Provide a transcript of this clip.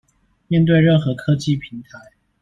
面對任何科技平台